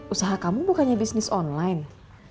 usaha kamu bukannya bisnis online